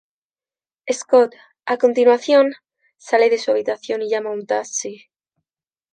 Scott, a continuación, sale de su habitación y llama a un taxi.